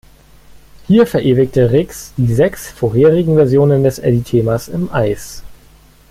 Hier verewigte Riggs die sechs vorherigen Versionen des Eddie-Themas im Eis.